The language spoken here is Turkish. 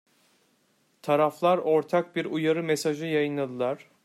Taraflar ortak bir uyarı mesajı yayınladılar.